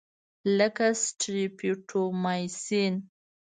لکه سټریپټومایسین.